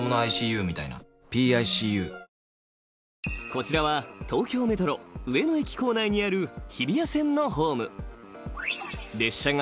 ［こちらは東京メトロ上野駅構内にある日比谷線のホーム］